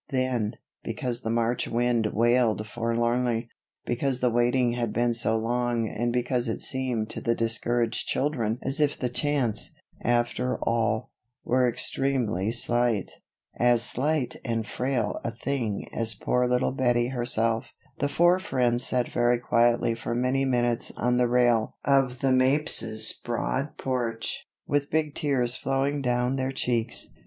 Then, because the March wind wailed forlornly, because the waiting had been so long and because it seemed to the discouraged children as if the chance, after all, were extremely slight as slight and frail a thing as poor little Bettie herself the four friends sat very quietly for many minutes on the rail of the Mapes's broad porch, with big tears flowing down their cheeks.